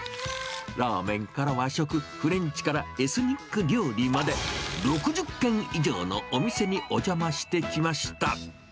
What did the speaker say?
ラーメンから和食、フレンチからエスニック料理まで、６０軒以上のお店にお邪魔してきました。